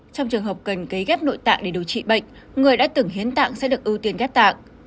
trong trường hợp cần cấy ghép nội tạng để điều trị bệnh người đã từng hiến tạng sẽ được ưu tiên ghép tạng